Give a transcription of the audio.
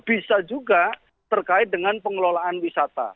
bisa juga terkait dengan pengelolaan wisata